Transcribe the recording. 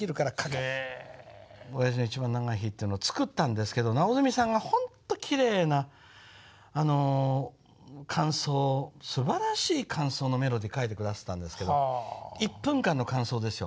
「親父の一番長い日」っていうのを作ったんですけど直純さんがほんときれいな間奏すばらしい間奏のメロディーを書いて下さったんですけど１分間の間奏ですよ。